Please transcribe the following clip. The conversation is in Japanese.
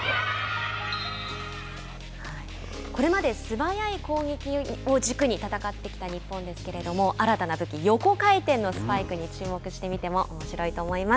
これまで素早い攻撃を軸に戦ってきた日本ですけれども新たな武器、横回転のスパイクに注目して見てもおもしろいと思います。